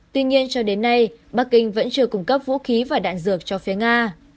tuy nhiên cho đến nay bắc kinh vẫn chưa cung cấp vũ khí và đạn dược cho phía nga